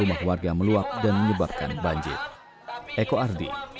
rumah warga meluap dan menyebabkan banjir